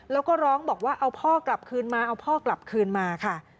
แล้วก็ร้องบอกว่าเอาพ่อกลับคืนมาเอาพ่อกลับคืนมาค่ะ